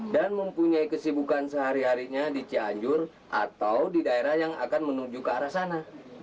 dan mempunyai kesibukan sehari harinya di cianjur atau di daerah yang akan menuju ke arah sana